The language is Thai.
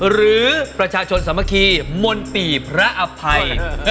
หรือประชาชนสามัคคีมนปี่พระอภัย